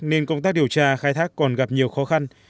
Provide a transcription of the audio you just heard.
nên công tác điều tra khai thác còn gặp nhiều khó khăn